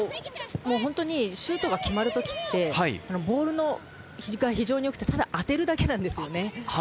シュートが決まるときはボールが非常に良くて、ただ当てるだけなんですよね。